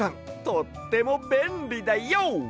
とってもべんりだＹＯ！